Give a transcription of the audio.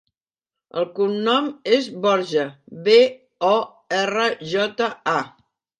El cognom és Borja: be, o, erra, jota, a.